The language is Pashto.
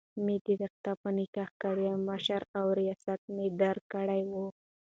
مي درته په نکاح کړي وي، مشري او رياست مي درکړی وو